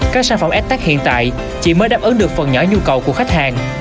các sản phẩm s tech hiện tại chỉ mới đáp ứng được phần nhỏ nhu cầu của khách hàng